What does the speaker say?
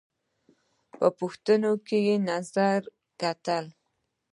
په پوښتونکي نظر یې کتل !